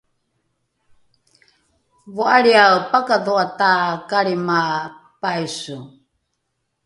vo’alriae pakadho’a takalrima paiso